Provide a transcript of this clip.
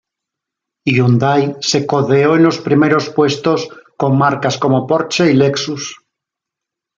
Hyundai se codeó en los primeros puestos con marcas como Porsche y Lexus.